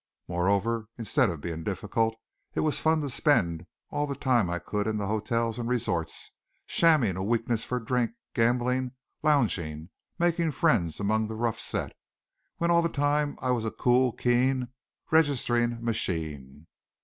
Moreover, instead of being difficult, it was fun to spend all the time I could in the hotels and resorts, shamming a weakness for drink, gambling, lounging, making friends among the rough set, when all the time I was a cool, keen registering machine.